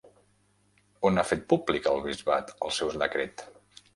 On ha fet públic el Bisbat el seu decret?